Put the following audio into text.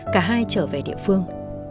cả hai trở về địa phương